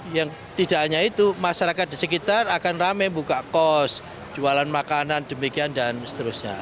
yang tidak hanya itu masyarakat di sekitar akan rame buka kos jualan makanan demikian dan seterusnya